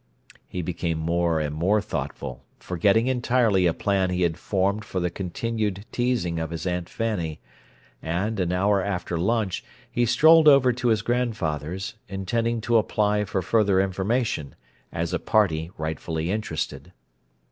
He became more and more thoughtful, forgetting entirely a plan he had formed for the continued teasing of his Aunt Fanny; and, an hour after lunch, he strolled over to his grandfather's, intending to apply for further information, as a party rightfully interested.